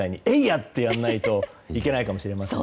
ってやらないといけないかもしれませんね。